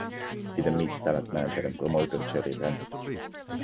He then meets talent manager and promoter Jerry Brandt.